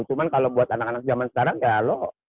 cuman kalo buat anak anak zaman sekarang ya lo